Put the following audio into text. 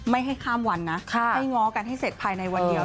ไม่ให้ข้ามวันนะให้ง้อกันให้เสร็จภายในวันเดียว